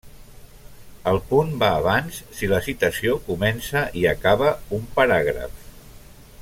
El punt va abans si la citació comença i acaba un paràgraf.